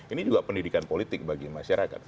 ini juga pendidikan politik bagi masyarakat